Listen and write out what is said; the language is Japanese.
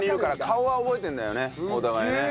顔は覚えてるんだよねお互いね。